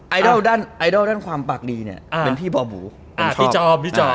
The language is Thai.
ไอดอลด้านความปากดีเนี่ยเป็นพี่บอมบูผมชอบ